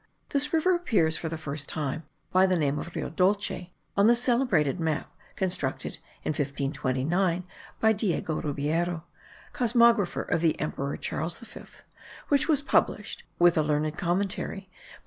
This river appears, for the first time, by the name of Rio Dolce, on the celebrated map constructed in 1529 by Diego Ribeyro, cosmographer of the emperor Charles V, which was published, with a learned commentary, by M.